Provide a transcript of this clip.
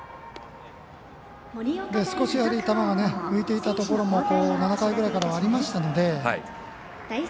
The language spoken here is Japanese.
球が浮いていたところも７回ぐらいからはありましたから。